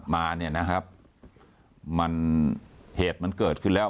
มาเนี่ยนะครับมันเหตุมันเกิดขึ้นแล้ว